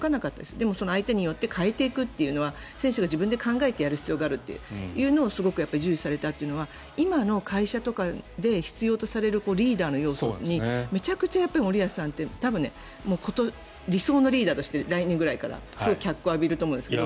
でも、相手によって変えていくというのは選手が自分で考えていくっていうのを重視されたっていうのは今の会社とかで必要とされるリーダーの要素にめちゃくちゃ森保さんって多分、理想のリーダーとして来年ぐらいからすごい脚光を浴びると思うんですけど。